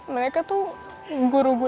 mereka tuh guru gue